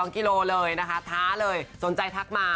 กิโลเลยนะคะท้าเลยสนใจทักมา